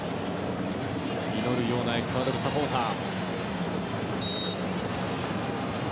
祈るようなエクアドルサポーター。